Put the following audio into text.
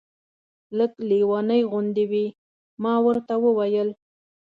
لږ لېونۍ غوندې وې. ما ورته وویل.